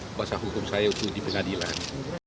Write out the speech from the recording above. kuasa hukum saya untuk dipengadilan